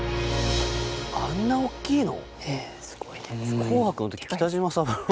あんな大きいの！？